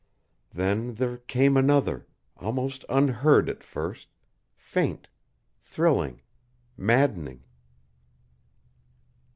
Then there came another, almost unheard at first, faint, thrilling, maddening.